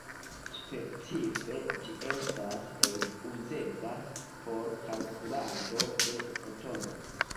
Specife, ĝi estas uzebla por kalkulado de fotonoj.